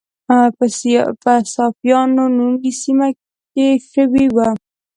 په صافیانو نومي سیمه کې شوې وه.